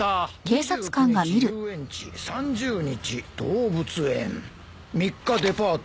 「２９日遊園地」「３０日動物園」「３日デパート」